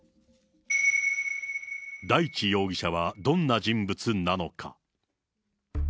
大地容疑者はどんな人物なのか。